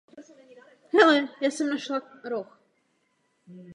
Důsledkem této situace byla produkce především licenčních letounů.